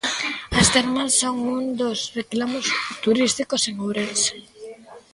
As termas son un dos reclamos turísticos en Ourense.